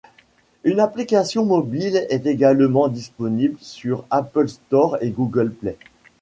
Une application mobile est également disponible sur Apple Store et Google Play.